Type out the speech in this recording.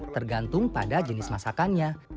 tergantung pada jenis masakan